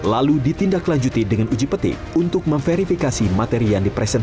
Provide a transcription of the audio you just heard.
lalu ditindaklanjuti dengan uji petik untuk memverifikasi materi yang dipresentasikan